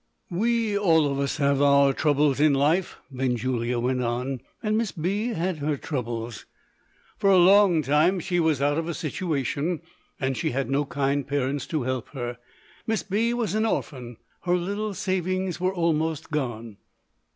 "We all of us have our troubles in life," Benjulia went on; "and Miss B. had her troubles. For a long time, she was out of a situation; and she had no kind parents to help her. Miss B. was an orphan. Her little savings were almost gone."